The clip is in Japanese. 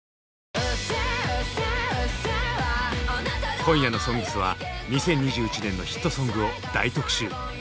今夜の「ＳＯＮＧＳ」は２０２１年のヒットソングを大特集！